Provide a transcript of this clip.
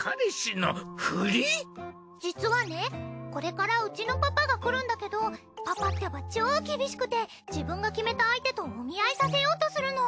実はねこれからうちのパパが来るんだけどパパってば超厳しくて自分が決めた相手とお見合いさせようとするの。